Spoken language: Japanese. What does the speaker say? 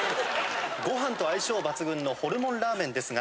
ご飯と相性抜群のホルモンラーメンですが。